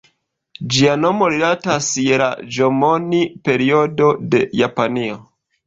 Ĝia nomo rilatas je la ĵomon-periodo de Japanio.